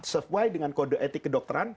sesuai dengan kode etik kedokteran